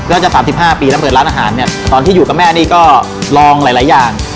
เพื่อจะสามสิบห้าปีทำเปิดร้านอาหารเนี่ยตอนที่อยู่กับแม่นี่ก็ลองหลายหลายอย่าง